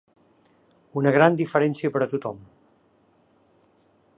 Una gran diferència per a tothom.